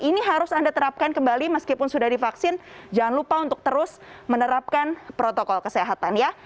ini harus anda terapkan kembali meskipun sudah divaksin jangan lupa untuk terus menerapkan protokol kesehatan ya